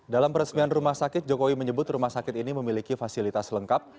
dalam peresmian rumah sakit jokowi menyebut rumah sakit ini memiliki fasilitas lengkap